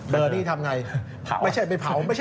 เบอร์หนี้ทำอย่างไร